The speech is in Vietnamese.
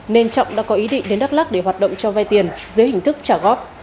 nên trọng đã có ý định đến đắk lắc để hoạt động cho vay tiền dưới hình thức trả góp